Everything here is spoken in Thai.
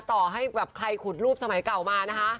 ต่อให้แบบใครขุดรูปสมัยเก่ามานะคะ